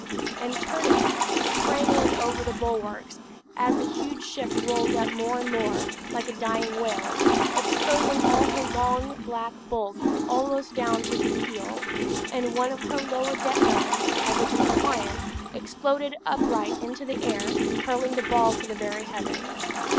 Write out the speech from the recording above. and turning, he sprang in over the bulwarks, as the huge ship rolled up more and more, like a dying whale, exposing all her long black bulk almost down to the keel, and one of her lower deck guns, as if in defiance, exploded upright into the air, hurling the ball to the very heavens.